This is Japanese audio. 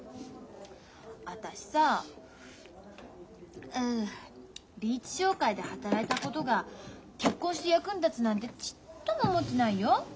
私さリーチ商会で働いたことが結婚して役に立つなんてちっとも思ってないよ。